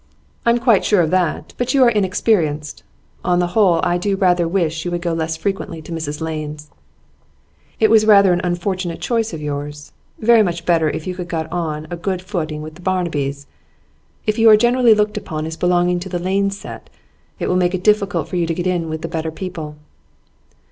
'I'm quite sure of that; but you are inexperienced. On the whole, I do rather wish that you would go less frequently to Mrs Lane's. It was rather an unfortunate choice of yours. Very much better if you could have got on a good footing with the Barnabys. If you are generally looked upon as belonging to the Lanes' set it will make it difficult for you to get in with the better people.